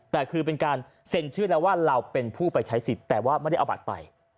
แต่คือเป็นการเซ็นชื่อแล้วว่าเราเป็นผู้ไปใช้สิทธิ์แต่ว่าไม่ได้เอาบัตรไป